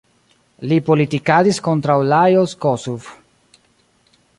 Li politikadis kontraŭ Lajos Kossuth.